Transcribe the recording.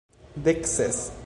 Dek ses!